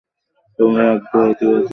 তোমার একগুঁয়ে ইতিবাচকতাকে।